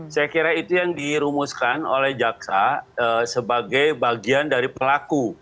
saya kira itu yang dirumuskan oleh jaksa sebagai bagian dari pelaku